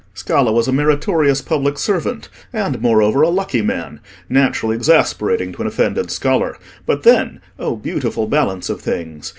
Scala was a meritorious public servant, and, moreover, a lucky man—naturally exasperating to an offended scholar; but then—O beautiful balance of things!